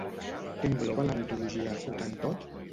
Què engloba la mitologia hotentot?